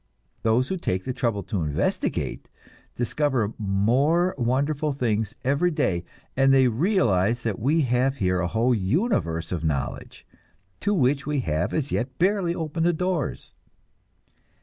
Those who take the trouble to investigate, discover more wonderful things every day, and they realize that we have here a whole universe of knowledge, to which we have as yet barely opened the doors.